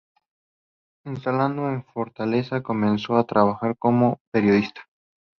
Instalado en Fortaleza, comenzó a trabajar como periodista.